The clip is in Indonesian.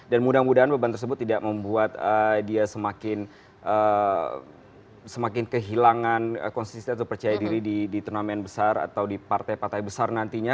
dan mudah mudahan beban tersebut tidak membuat dia semakin kehilangan konsisten atau percaya diri di turnamen besar atau di partai partai besar nantinya